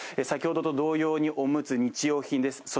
先ほどと同様におむつ、日用品です。